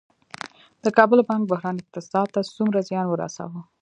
د کابل بانک بحران اقتصاد ته څومره زیان ورساوه؟